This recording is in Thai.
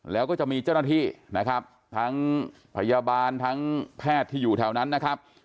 แล้วก็จะมีเจ้าหน้าที่นะครับทั้งพยาบาลทั้งแพทย์ที่อยู่แถวนั้นนะครับ